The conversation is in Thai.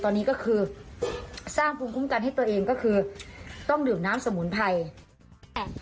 ตอนนี้ก็คือสร้างภูมิคุ้มกันให้ตัวเองก็คือต้องดื่มน้ำสมุนไพร